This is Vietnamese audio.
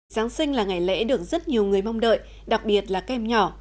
giáng sinh là ngày lễ được rất nhiều người mong đợi đặc biệt là các em nhỏ